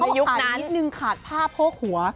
เขาอ่านนิดนึงขาดภาพโภคหัว